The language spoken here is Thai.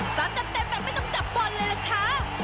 สามารถจะเต็มแบบไม่ต้องจับบอลเลยล่ะคะ